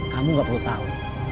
kamu nggak perlu tahu